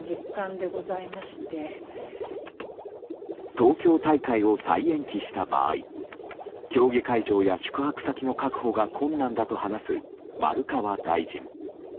東京大会を再延期した場合競技会場や宿泊先の確保が困難だと話す丸川大臣。